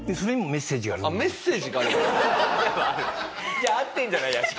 じゃあ合ってるんじゃない屋敷。